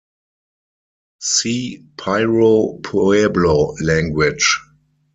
See Piro Pueblo language.